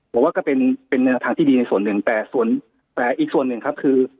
ผมว่าก็เป็นเป็นแนวทางที่ดีในส่วนหนึ่งแต่ส่วนแต่อีกส่วนหนึ่งครับคือ